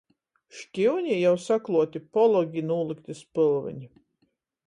Škiunī jau sakluoti pologi i nūlykti spylvyni.